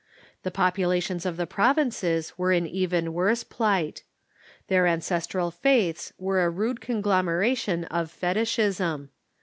The populations of the provinces were in even worse plight. Their ancestral faiths were a rude conglomeration of fetichism.